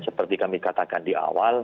seperti kami katakan di awal